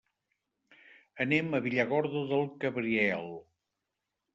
Anem a Villargordo del Cabriel.